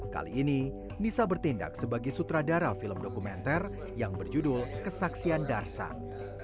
kali ini nisa bertindak sebagai sutradara film dokumenter yang berjudul kesaksian darsan